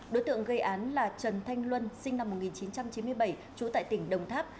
đối tượng gây án là trần thanh luân sinh năm một nghìn chín trăm chín mươi bảy trú tại tỉnh đồng tháp